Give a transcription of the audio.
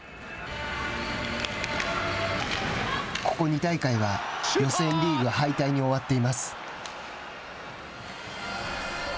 ここ２大会は、予選リーグ敗退に終わっています。